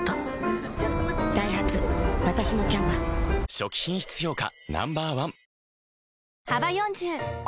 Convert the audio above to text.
初期品質評価